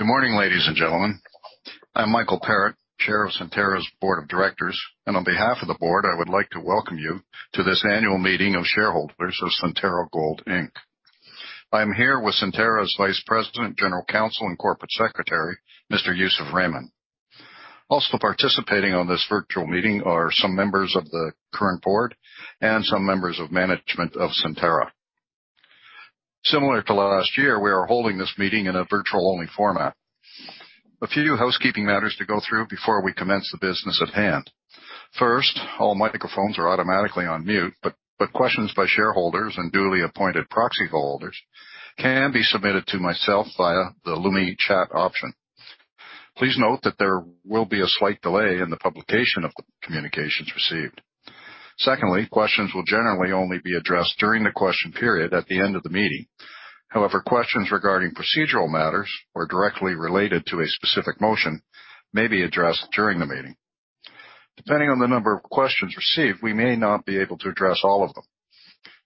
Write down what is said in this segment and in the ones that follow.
Good morning, ladies and gentlemen. I'm Michael Parrett, Chair of Centerra's Board of Directors. On behalf of the board, I would like to welcome you to this annual meeting of shareholders of Centerra Gold, Inc. I'm here with Centerra's Vice President, General Counsel, and Corporate Secretary, Mr. Yousef Rehman. Also participating on this virtual meeting are some members of the current board and some members of management of Centerra. Similar to last year, we are holding this meeting in a virtual-only format. A few housekeeping matters to go through before we commence the business at hand. First, all microphones are automatically on mute, but questions by shareholders and duly appointed proxy holders can be submitted to myself via the Lumi Chat option. Please note that there will be a slight delay in the publication of the communications received. Secondly, questions will generally only be addressed during the question period at the end of the meeting. However, questions regarding procedural matters or directly related to a specific motion may be addressed during the meeting. Depending on the number of questions received, we may not be able to address all of them.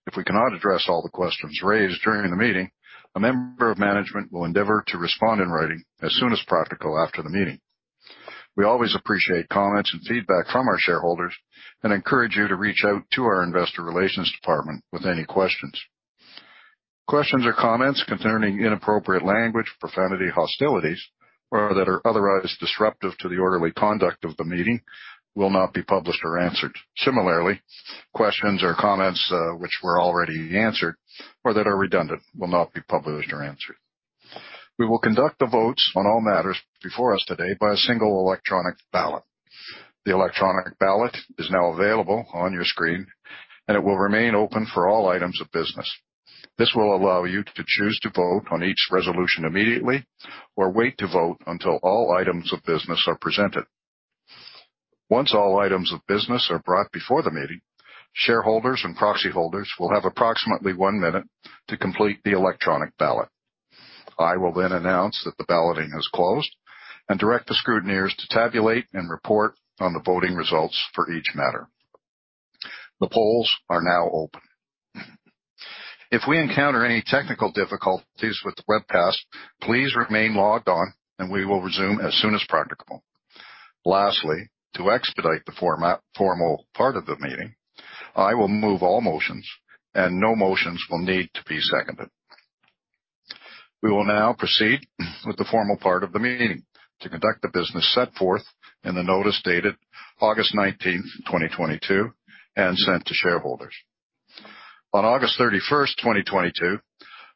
If we cannot address all the questions raised during the meeting, a member of management will endeavor to respond in writing as soon as practical after the meeting. We always appreciate comments and feedback from our shareholders and encourage you to reach out to our investor relations department with any questions. Questions or comments concerning inappropriate language, profanity, hostilities, or that are otherwise disruptive to the orderly conduct of the meeting will not be published or answered. Similarly, questions or comments, which were already answered or that are redundant will not be published or answered. We will conduct the votes on all matters before us today by a single electronic ballot. The electronic ballot is now available on your screen, and it will remain open for all items of business. This will allow you to choose to vote on each resolution immediately or wait to vote until all items of business are presented. Once all items of business are brought before the meeting, shareholders and proxy holders will have approximately one minute to complete the electronic ballot. I will then announce that the balloting is closed and direct the scrutineers to tabulate and report on the voting results for each matter. The polls are now open. If we encounter any technical difficulties with the webcast, please remain logged on and we will resume as soon as practicable. Lastly, to expedite the formal part of the meeting, I will move all motions and no motions will need to be seconded. We will now proceed with the formal part of the meeting to conduct the business set forth in the notice dated August 19, 2022 and sent to shareholders. On August 31, 2022,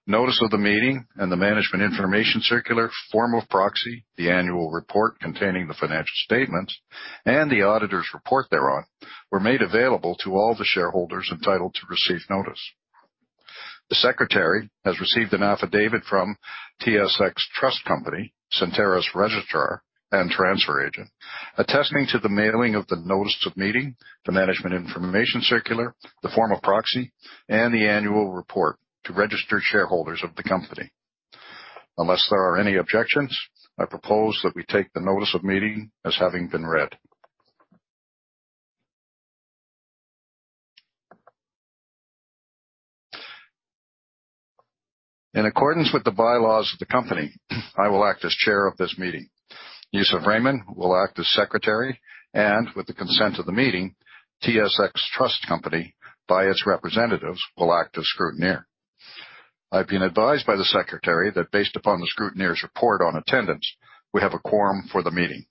notice of the meeting and the management information circular, form of proxy, the annual report containing the financial statements and the auditor's report thereon, were made available to all the shareholders entitled to receive notice. The Secretary has received an affidavit from TSX Trust Company, Centerra's registrar and transfer agent, attesting to the mailing of the notice of meeting, the management information circular, the form of proxy, and the annual report to registered shareholders of the company. Unless there are any objections, I propose that we take the notice of meeting as having been read. In accordance with the bylaws of the company, I will act as chair of this meeting. Yousef Rehman will act as secretary, and with the consent of the meeting, TSX Trust Company, by its representatives, will act as scrutineer. I've been advised by the secretary that based upon the scrutineer's report on attendance, we have a quorum for the meeting.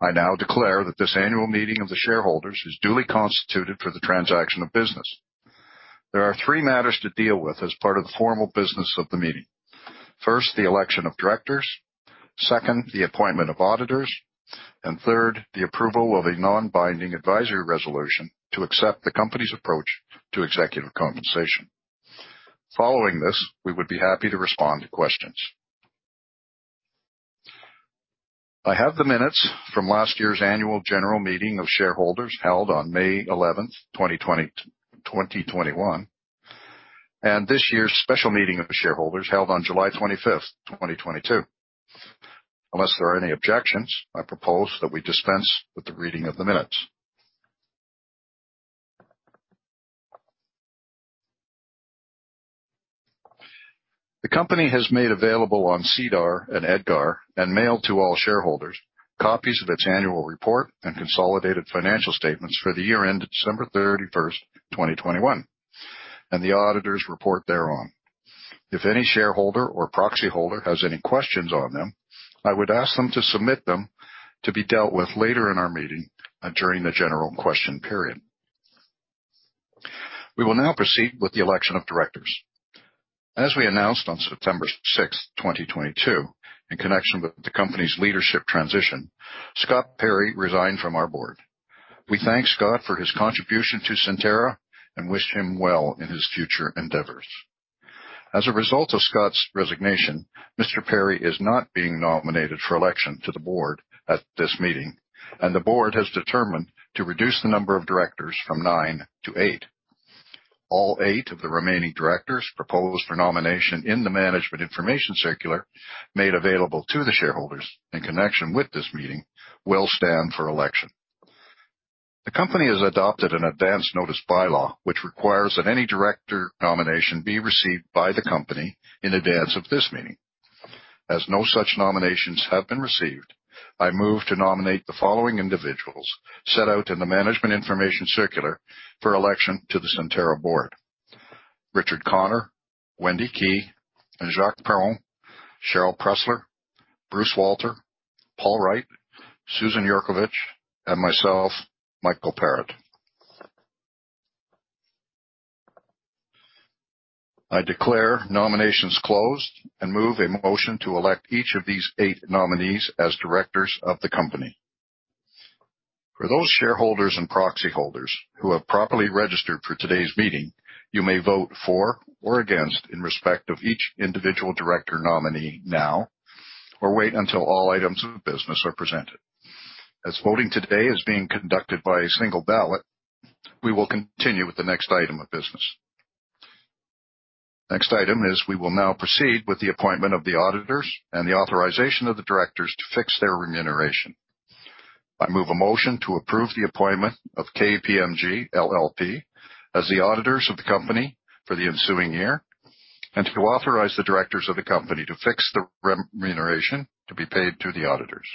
I now declare that this annual meeting of the shareholders is duly constituted for the transaction of business. There are three matters to deal with as part of the formal business of the meeting. First, the election of directors. Second, the appointment of auditors. Third, the approval of a non-binding advisory resolution to accept the company's approach to executive compensation. Following this, we would be happy to respond to questions. I have the minutes from last year's annual general meeting of shareholders held on May 11, 2021, and this year's special meeting of the shareholders held on July 25, 2022. Unless there are any objections, I propose that we dispense with the reading of the minutes. The company has made available on SEDAR and EDGAR and mailed to all shareholders copies of its annual report and consolidated financial statements for the year ended December 31, 2021, and the auditor's report thereon. If any shareholder or proxy holder has any questions on them, I would ask them to submit them to be dealt with later in our meeting during the general question period. We will now proceed with the election of directors. As we announced on September 6, 2022, in connection with the company's leadership transition, Scott Perry resigned from our board. We thank Scott for his contribution to Centerra and wish him well in his future endeavors. As a result of Scott's resignation, Mr. Perry is not being nominated for election to the board at this meeting, and the board has determined to reduce the number of directors from nine to eight. All eight of the remaining directors proposed for nomination in the management information circular made available to the shareholders in connection with this meeting will stand for election. The company has adopted an advanced notice by-law, which requires that any director nomination be received by the company in advance of this meeting. As no such nominations have been received, I move to nominate the following individuals set out in the management information circular for election to the Centerra board. Richard Connor, Wendy Kei, Jacques Perron, Sheryl Pressler, Bruce Walter, Paul Wright, Susan Yurkovich, and myself, Michael Parrett. I declare nominations closed and move a motion to elect each of these eight nominees as directors of the company. For those shareholders and proxy holders who have properly registered for today's meeting, you may vote for or against in respect of each individual director nominee now or wait until all items of business are presented. As voting today is being conducted by a single ballot, we will continue with the next item of business. Next item is we will now proceed with the appointment of the auditors and the authorization of the directors to fix their remuneration. I move a motion to approve the appointment of KPMG LLP as the auditors of the company for the ensuing year and to authorize the directors of the company to fix the remuneration to be paid to the auditors.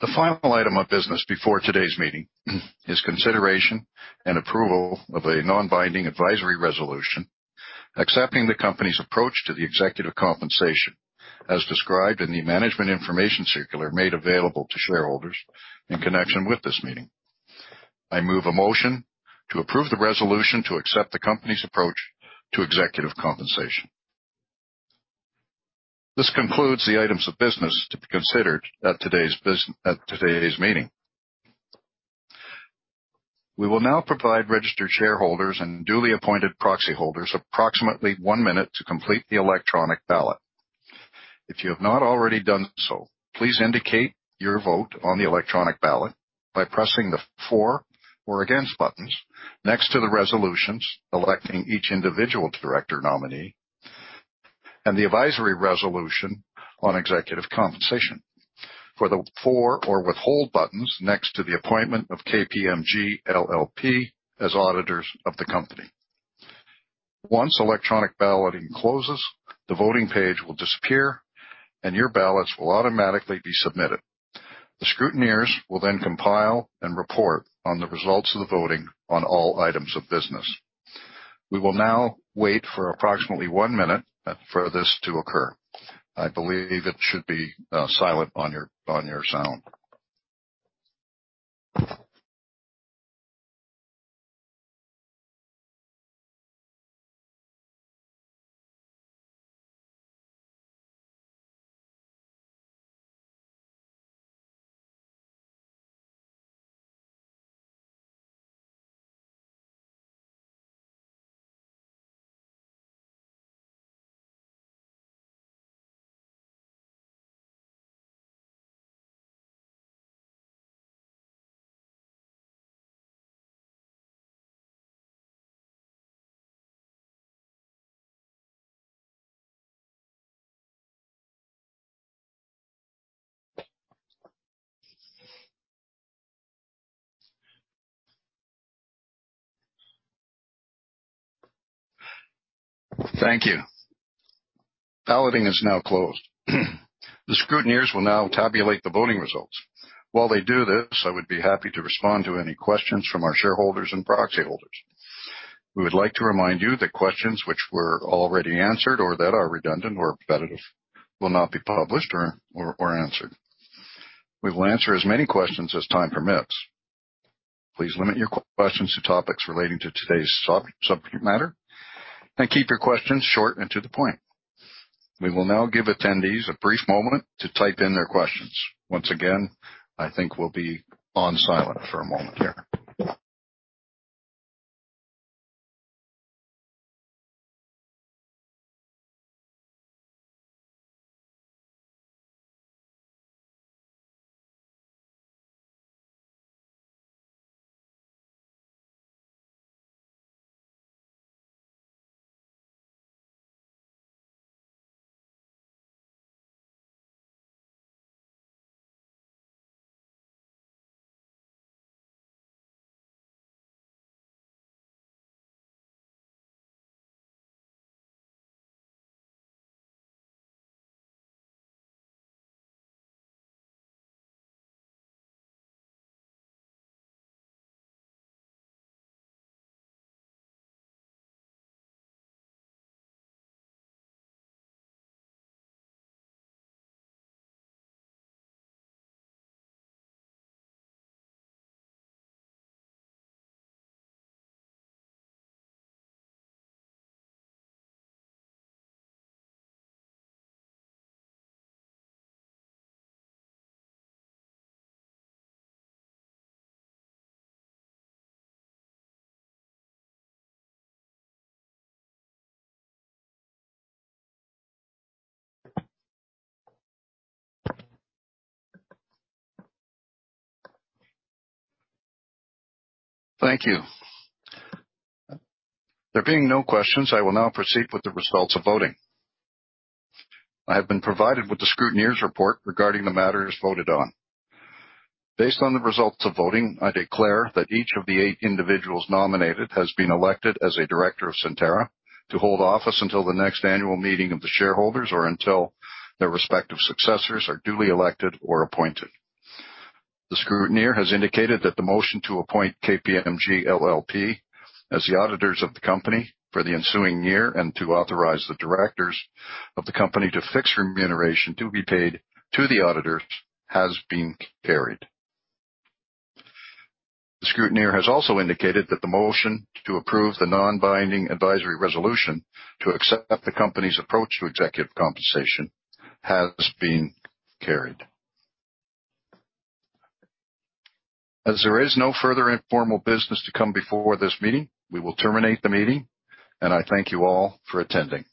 The final item of business before today's meeting is consideration and approval of a non-binding advisory resolution accepting the company's approach to the executive compensation, as described in the management information circular made available to shareholders in connection with this meeting. I move a motion to approve the resolution to accept the company's approach to executive compensation. This concludes the items of business to be considered at today's meeting. We will now provide registered shareholders and duly appointed proxy holders approximately one minute to complete the electronic ballot. If you have not already done so, please indicate your vote on the electronic ballot by pressing the for or against buttons next to the resolutions electing each individual director nominee and the advisory resolution on executive compensation. For the for or withhold buttons next to the appointment of KPMG LLP as auditors of the company. Once electronic balloting closes, the voting page will disappear, and your ballots will automatically be submitted. The scrutineers will then compile and report on the results of the voting on all items of business. We will now wait for approximately one minute for this to occur. I believe it should be silent on your sound. Thank you. Balloting is now closed. The scrutineers will now tabulate the voting results. While they do this, I would be happy to respond toany questions from our shareholders and proxy holders. We would like to remind you that questions which were already answered or that are redundant or repetitive will not be published or answered. We will answer as many questions as time permits. Please limit your questions to topics relating to today's subject matter and keep your questions short and to the point. We will now give attendees a brief moment to type in their questions. Once again, I think we'll be on silent for a moment here. Thank you. There being no questions, I will now proceed with the results of voting. I have been provided with the scrutineer's report regarding the matters voted on. Based on the results of voting, I declare that each of the eight individuals nominated has been elected as a director of Centerra to hold office until the next annual meeting of the shareholders or until their respective successors are duly elected or appointed. The scrutineer has indicated that the motion to appoint KPMG LLP as the auditors of the company for the ensuing year and to authorize the directors of the company to fix remuneration to be paid to the auditors has been carried. The scrutineer has also indicated that the motion to approve the non-binding advisory resolution to accept the company's approach to executive compensation has been carried. As there is no further informal business to come before this meeting, we will terminate the meeting, and I thank you all for attending.